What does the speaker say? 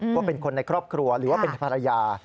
ว่าเป็นคนในครอบครัวหรือว่าเป็นภรรยา